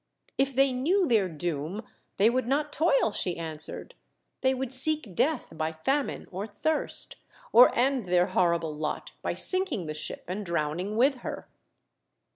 "If they knew their doom they would not toil," she answered ; "they would seek death by famine or thirst, or end their horrible lot by sinking the ship and drowning with her."